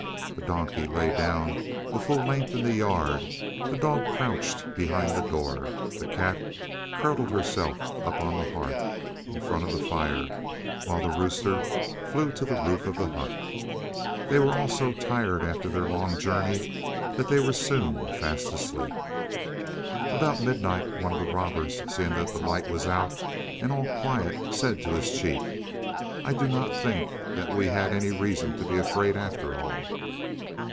The donkey lay down at full length in the yard, the dog crouched behind the door, the cat curled herself up on the hearth in front of the fire, while the rooster flew to the roof of the hut. They were all so tired after their long journey that they were soon fast asleep. About midnight one of the robbers, seeing that the light was out and all quiet, said to his chief: "I do not think that we had any reason to be afraid, after all."